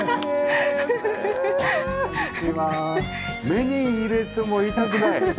目に入れても痛くない。